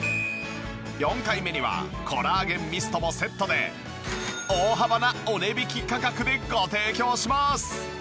４回目にはコラーゲンミストもセットで大幅なお値引き価格でご提供します